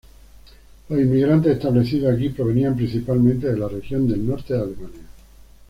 Los inmigrantes establecidos aquí provenían principalmente de la región del norte de Alemania.